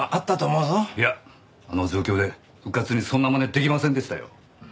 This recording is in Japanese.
いやあの状況でうかつにそんなまねできませんでしたよ。